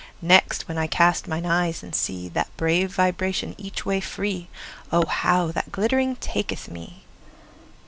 Next, when I cast mine eyes and seeThat brave vibration each way free;O how that glittering taketh me!